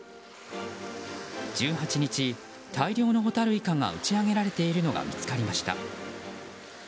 １８日、大量のホタルイカが打ち揚げられているのが見つかりました。